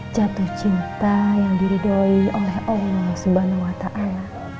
jatuh cinta yang diridoi oleh allah subhanahu wa ta'ala